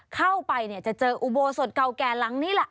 เข้าไปเนี่ยจะเจออุโบสถเก่าแก่หลังนี้แหละ